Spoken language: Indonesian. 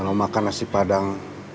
kalau makan nasi padang